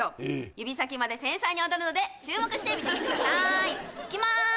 指先まで繊細に踊るので注目して見ててくださいいきます